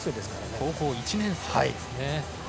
高校１年生ですね。